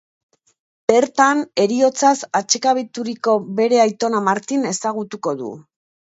Bertan heriotzaz atsekabeturiko bere aitona Martin ezagutuko du.